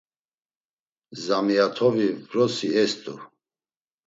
Zamiyatovi vrosi est̆u.